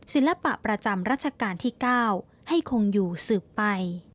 ศิลปะประจำรัชกาลที่๙ให้คงอยู่สืบไป